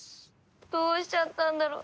どうしちゃったんだろう？